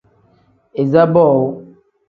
Iza boowu.